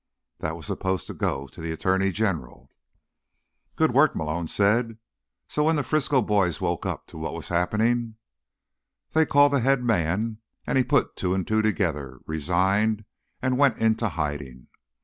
That was supposed to go to the attorney general." "Good work," Malone said. "So when the Frisco boys woke up to what was happening—" "They called the head man, and he put two and two together, resigned and went into hiding.